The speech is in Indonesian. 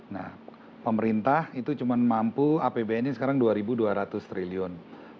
nah pemerintah itu cuma mampu apbn nya sekarang rp dua dua ratus triliun